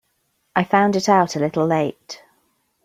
I found it out a little late.